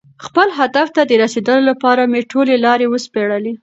خپل هدف ته د رسېدو لپاره مې ټولې لارې وسپړلې.